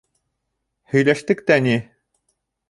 — Һөйләштек тә ни.